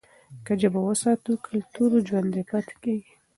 که ژبه وساتو، کلتور ژوندي پاتې کېږي.